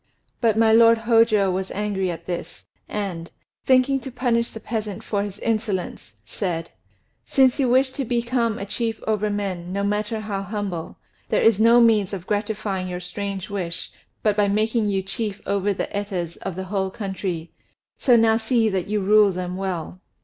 But my lord Hôjô was angry at this, and, thinking to punish the peasant for his insolence, said: "Since you wish to become a chief over men, no matter how humble, there is no means of gratifying your strange wish but by making you chief over the Etas of the whole country. So now see that you rule them well."